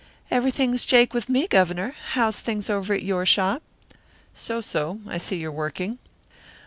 "Everything's jake with me, Governor. How's things over at your shop?" "So, so. I see you're working."